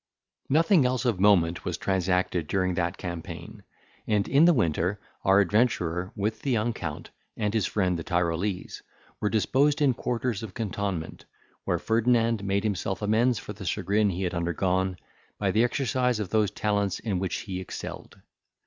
Nothing else of moment was transacted during that campaign; and in the winter our adventurer, with the young Count, and his friend the Tyrolese, were disposed in quarters of cantonment, where Ferdinand made himself amends for the chagrin he had undergone, by the exercise of those talents in which he excelled.